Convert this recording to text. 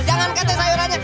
jangan kate sayurannya